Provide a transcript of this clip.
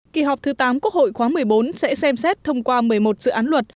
kỳ họp thứ tám quốc hội khóa một mươi bốn sẽ xem xét thông qua một mươi một dự án luật